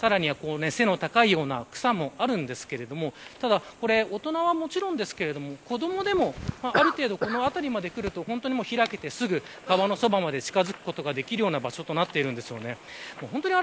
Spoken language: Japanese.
さらには背の高いような草もありますが大人はもちろんですが子どもでもある程度この辺りまで来ると開けてすぐ川のそばまで近づくことができるような場所となっています。